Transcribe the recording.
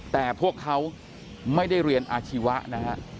แต่พวกเขาไม่ได้เรียนอาชีวะนะฮะ